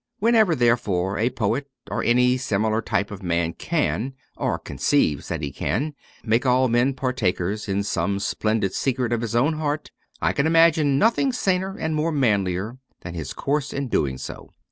Whenever, therefore, a poet or any similar type of man can, or conceives that he can, make all men partakers in some splendid secret of his own heart, I can imagine nothing saner and nothing manlier than his course in doing so.